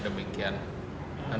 nanti hasil hasil yang lain